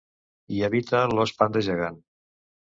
Hi habita l'ós panda gegant.